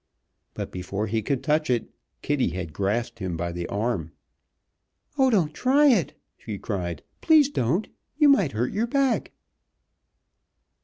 But before he could touch it Kitty had grasped him by the arm. "Oh, don't try it!" she cried. "Please don't! You might hurt your back."